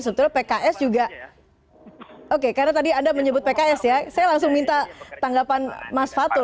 sebetulnya pks juga oke karena tadi anda menyebut pks ya saya langsung minta tanggapan mas fatul